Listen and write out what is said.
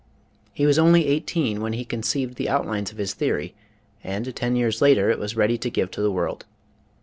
He was only eighteen when he conceived the outlines of his theory and ten years later it was ready to give to the world.